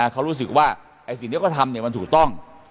เขารู้สึกว่าสิ่งนี้เขาทำสิ่งนี้ถูกต้อง